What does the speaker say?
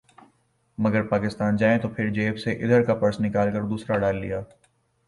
مگر پاکستان جائیں تو پھر جیب سے ادھر کا پرس نکال کر دوسرا ڈال لیا